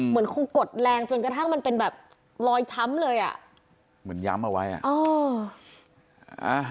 เหมือนคงกดแรงจนกระทั่งมันเป็นแบบรอยช้ำเลยอ่ะเหมือนย้ำเอาไว้อ่ะอ๋อ